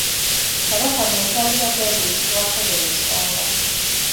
Kabaka muntu alina okwebuuzibwako buli nsonga.